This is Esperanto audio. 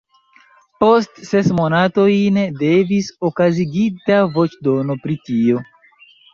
Post ses monatojn devis okazigita voĉdono pri tio.